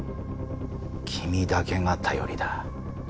君だけが頼りだ。